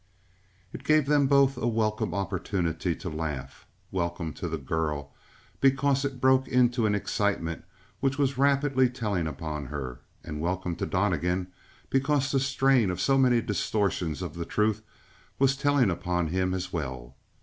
28 It gave them both a welcome opportunity to laugh, welcome to the girl because it broke into an excitement which was rapidly telling upon her, and welcome to Donnegan because the strain of so many distortions of the truth was telling upon him as well.